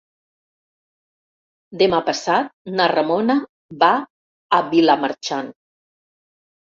Demà passat na Ramona va a Vilamarxant.